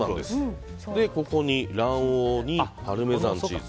ここに卵黄にパルメザンチーズ。